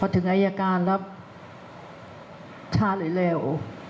รอว่าพอถึงไอ้อาการแล้วช้าหรือเร็ว